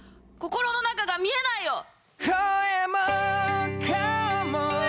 心の中が見えないよ！